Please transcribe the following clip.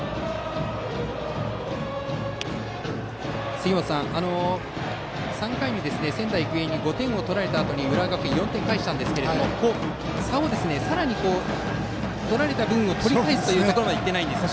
杉本さん、３回に仙台育英に５点を取られたあとに浦和学院が４点返しましたがさらに取られた分を取り返すまで行ってないんですよね。